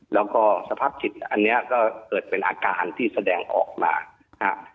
แล้วก็สภาพจิตอันเนี้ยก็เกิดเป็นอาการที่แสดงออกมานะฮะ